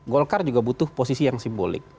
golkar juga butuh posisi yang simbolik